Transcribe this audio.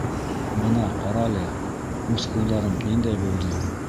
— Бына ҡарәле, мускулдарым ниндәй булды!